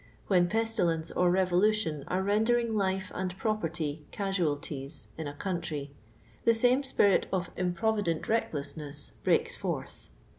When pestilence or j revolution are reuilcring life and property t^mal I tien in a country, tho same spirit of improvident ' recklessness breaks forth.